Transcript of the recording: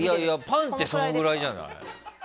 パンってこのぐらいじゃない？